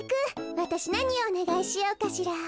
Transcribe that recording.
わたしなにをおねがいしようかしら。